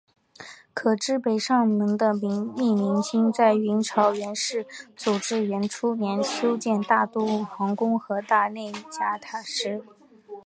可知北上门的命名应在元朝元世祖至元初年修建大都皇宫和大内夹垣时。